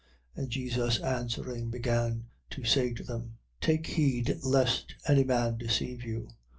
13:5. And Jesus answering, began to say to them: Take heed lest any man deceive you.